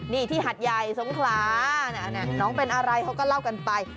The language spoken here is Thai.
นี่ที่หัดใหญ่สงขลาน้องเป็นอะไรเขาก็เล่ากันไป